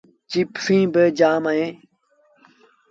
چپسيٚݩ با جآم اهيݩ ۔